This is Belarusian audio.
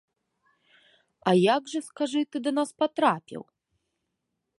А як жа, скажы, ты да нас патрапіў?